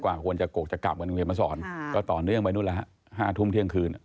กว่าควรจะกกจะกลับกันเมืองมะสรก็ต่อเนื่องไปนู่นแล้วฮะ๕ทุ่มเที่ยงคืน